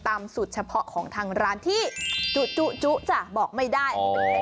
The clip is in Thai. สูตรเฉพาะของทางร้านที่จุจ้ะบอกไม่ได้